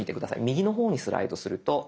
右の方にスライドすると。